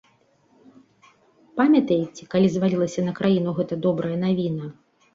Памятаеце, калі звалілася на краіну гэта добрая навіна?